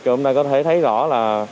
chúng ta có thể thấy rõ là